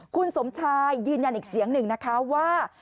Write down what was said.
คุณสมชายยืนยันอีกเสียงหนึ่งนะคะว่า